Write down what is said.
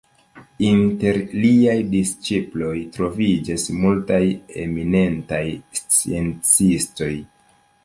Inter liaj disĉiploj troviĝas multaj eminentaj sciencistoj.